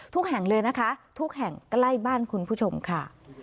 แห่งเลยนะคะทุกแห่งใกล้บ้านคุณผู้ชมค่ะ